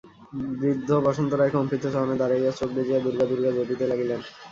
বৃদ্ধ বসন্ত রায় কম্পিত চরণে দাঁড়াইয়া চোখ বুঁজিয়া দুর্গা দুর্গা জপিতে লাগিলেন।